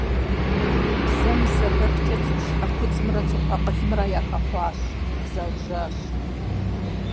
Бзэм и сэбэпкӀэ цӀыху щхьэ куцӀымрэ цӀыху акъылымрэ яхэхъуащ, заужьащ.